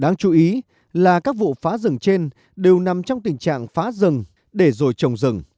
đáng chú ý là các vụ phá rừng trên đều nằm trong tình trạng phá rừng để rồi trồng rừng